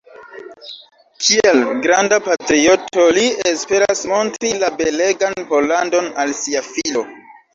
Kiel granda patrioto li esperas montri la belegan Pollandon al sia filo.